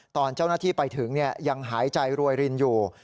ตอนเจ้าหน้าที่ไปถึงยังหายใจรวยรินอยู่